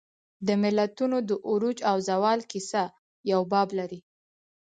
د ملتونو د عروج او زوال کیسه یو باب لري.